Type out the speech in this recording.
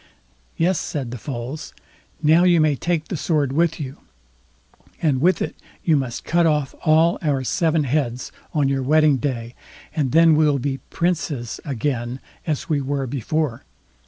"Yes", said the Foals, "now you may take the sword with you, and with it you must cut off all our seven heads on your wedding day, and then we'll be princes again as we were before.